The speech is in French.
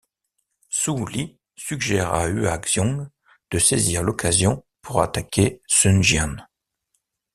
Su Li suggère à Hua Xiong de saisir l’occasion pour attaquer Sun Jian.